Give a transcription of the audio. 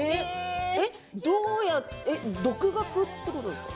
独学ということですか？